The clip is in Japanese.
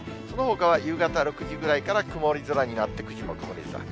そのほかは夕方６時ぐらいから曇り空になって、９時も曇り空。